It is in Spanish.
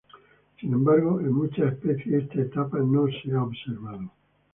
Sin embargo en muchas especies esta etapa no se ha observado.